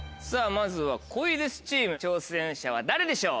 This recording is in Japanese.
まずは『恋です！』チーム挑戦者は誰でしょう？